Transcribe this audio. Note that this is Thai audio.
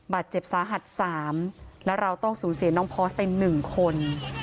บาดเจ็บสาหัส๓และเราต้องสูญเสียน้องพอร์สไป๑คน